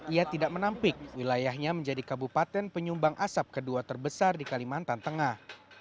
ia tidak menampik wilayahnya menjadi kabupaten penyumbang asap kedua terbesar di kalimantan tengah